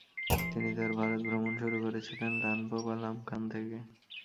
তিনি তার ভারত ভ্রমণ শুরু করেছিলেন লানপো বা লামখান থেকে।